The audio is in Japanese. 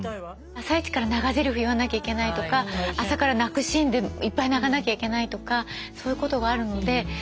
朝いちから長ゼリフ言わなきゃいけないとか朝から泣くシーンでいっぱい泣かなきゃいけないとかそういうことがあるので。